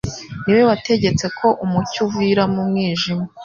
Ni we wategetse ko "umucyo uvira mu mwijima."